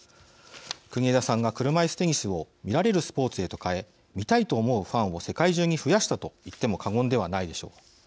国枝さんが車いすテニスを見られるスポーツへと変え見たいと思うファンを世界中に増やしたと言っても過言ではないでしょう。